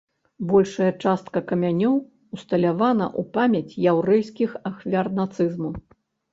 Большая частка камянёў усталявана ў памяць яўрэйскіх ахвяр нацызму.